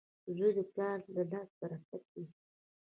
• زوی د پلار د لاس برکت وي.